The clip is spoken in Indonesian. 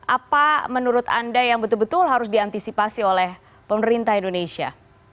apa menurut anda yang betul betul harus diantisipasi oleh pemerintah indonesia